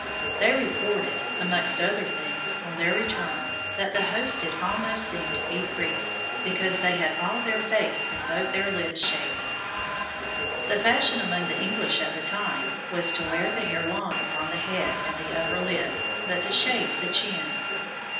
They reported, amongst other things, on their return, that "the host did almost seem to be priests, because they had all their face and both their lips shaven." The fashion among the English at the time was to wear the hair long upon the head and the upper lip, but to shave the chin.